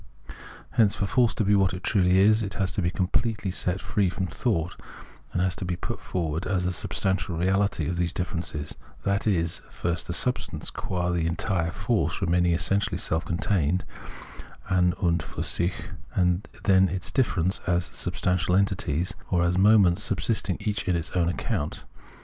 Hence for force to be what it truly is, it has to be completely set free from thought, and put forward as the substantial reality of these differences, that is, first the substance qua the entire force remaining essentially self contained (an und fiir sich), and then its differences as substantial entities, or as moments subsisting each on its own account.